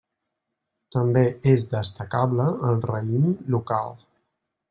També és destacable el raïm local.